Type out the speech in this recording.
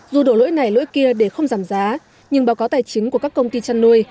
dù đổ lỗi này lỗi kia để không giảm giá nhưng báo cáo tài chính của các công ty chăn nuôi